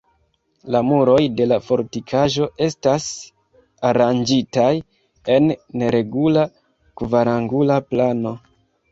La muroj de la fortikaĵo estas aranĝitaj en neregula kvarangula plano.